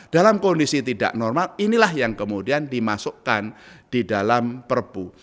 dalam kondisi tidak normal inilah yang kemudian dimasukkan di dalam perbu